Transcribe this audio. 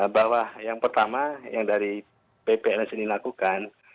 bahwa yang pertama yang dari ppln sydney lakukan